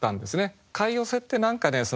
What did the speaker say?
「貝寄風」って何かね